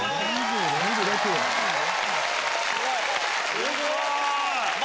すごい！